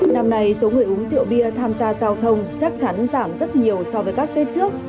năm nay số người uống rượu bia tham gia giao thông chắc chắn giảm rất nhiều so với các tết trước